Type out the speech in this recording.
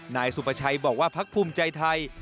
นายสุประชัยบอกว่าพักภูมิใจไทย